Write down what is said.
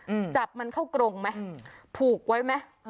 อืมจับมันเข้ากรงไหมอืมผูกไว้ไหมเออ